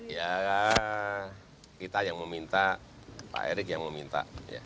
ya kita yang meminta pak erick yang meminta